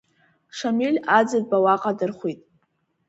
Шамиль Аӡынба уаҟа дырхәит.